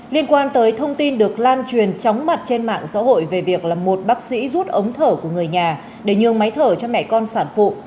liên quan tới thông tin được lan truyền chóng mặt trên mạng xã hội về việc là một bác sĩ rút ống thở của người nhà để nhường máy thở cho mẹ con sản phụ